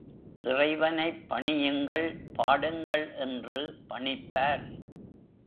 இறைவனைப் பணியுங்கள், பாடுங்கள் என்று பணிப்பார்.